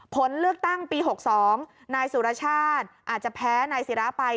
ผลเลือกตั้งปี๖๒นายสุรชาติอาจจะแพ้นายศิราไป